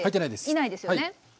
いないですよね。